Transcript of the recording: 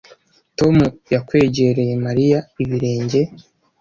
Tom yakwegereye Mariya ibirenge